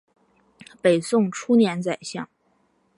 北宋初年宰相。